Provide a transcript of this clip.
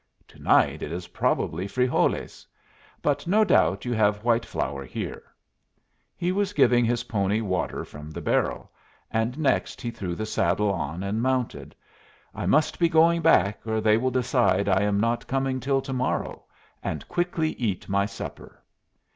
To night it is probably frijoles. But no doubt you have white flour here." He was giving his pony water from the barrel, and next he threw the saddle on and mounted. "I must be going back, or they will decide I am not coming till to morrow, and quickly eat my supper."